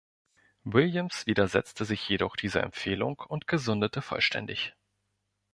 Williams widersetzte sich jedoch dieser Empfehlung und gesundete vollständig.